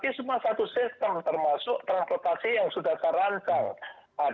tetapi semua satu sistem termasuk transportasi yang sudah terancang